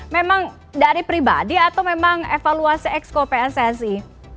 memang dari pribadi atau memang evaluasi ex co pssi